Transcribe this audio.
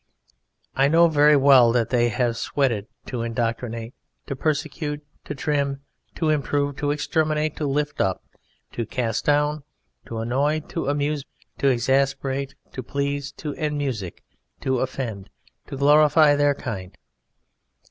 I know very well that they have sweated to indoctrinate, to persecute, to trim, to improve, to exterminate, to lift up, to cast down, to annoy, to amuse, to exasperate, to please, to enmusic, to offend, to glorify their kind.